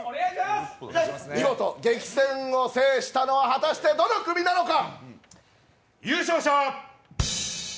見事、激戦を制したのは果たしてどの組なのか。